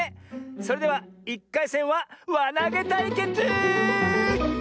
それでは１かいせんはわなげたいけつ！